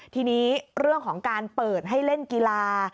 ทีนี้เรื่องของการเปิดให้เล่นกีฬา